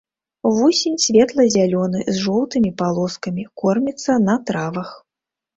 Вусень светла-зялёны з жоўтымі палоскамі, корміцца на травах.